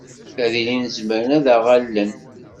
Ad ilin zemren ad aɣ-allen.